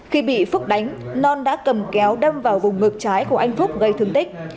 khi bị phúc đánh non đã cầm kéo đâm vào vùng ngực trái của anh phúc gây thương tích